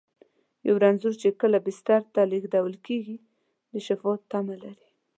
یو رنځور چې کله بستر ته لېږدول کېږي، د شفا تمه لري.